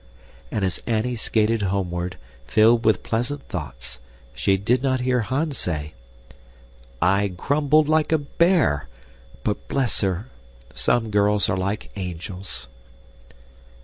And as Annie skated homeward, filled with pleasant thoughts, she did not hear Hans say, "I grumbled like a bear. But bless her! Some girls are like angels!"